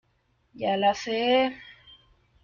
ya la sé.